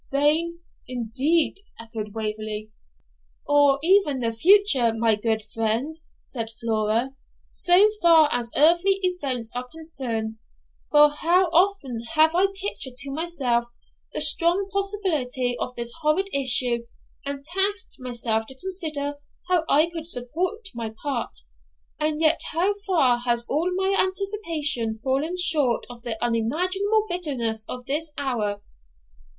'Vain indeed!' echoed Waverley. 'Or even of the future, my good friend,' said Flora,'so far as earthly events are concerned; for how often have I pictured to myself the strong possibility of this horrid issue, and tasked myself to consider how I could support my part; and yet how far has all my anticipation fallen short of the unimaginable bitterness of this hour!'